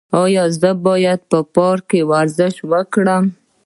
ایا زه باید په پارک کې ورزش وکړم؟